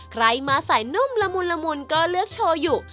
ใครมาใส่นุ่มละมุนละมุนก็เลือกโชว์อยู่